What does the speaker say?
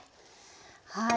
はい。